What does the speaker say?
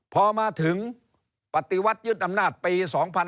พอมาถึงปฏิวัติยุทธ์อำนาจปี๒๑๔๙